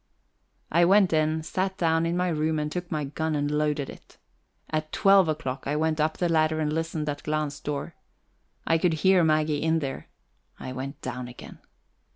I went in, sat down in my room, and took my gun and loaded it. At twelve o'clock I went up the ladder and listened at Glahn's door. I could hear Maggie in there; I went down again.